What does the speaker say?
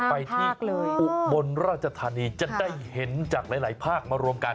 ไปที่อุบลราชฑษานีจะได้เห็นมารวมกัน